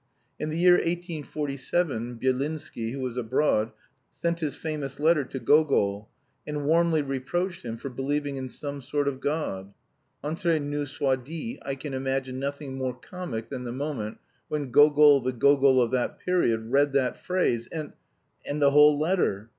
In the year 1847 Byelinsky, who was abroad, sent his famous letter to Gogol, and warmly reproached him for believing in some sort of God. Entre nous soit dit, I can imagine nothing more comic than the moment when Gogol (the Gogol of that period!) read that phrase, and... the whole letter!